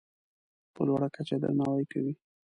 په لوړه کچه یې درناوی کوي.